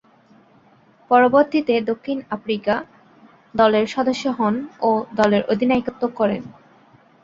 পরবর্তীতে দক্ষিণ আফ্রিকা দলের সদস্য হন ও দলের অধিনায়কত্ব করেন।